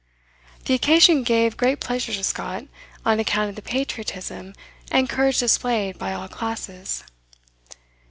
The occasion gave great pleasure to Scott, on account of the patriotism and courage displayed by all classes.